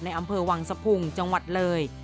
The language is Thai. อำเภอวังสะพุงจังหวัดเลย